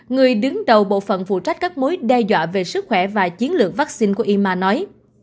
người đứng đầu bộ phận phụ trách các mối đe dọa về sức khỏe và chiến lược vaccine của yma nói